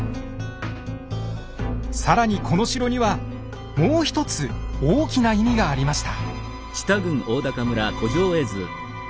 更にこの城にはもう一つ大きな意味がありました。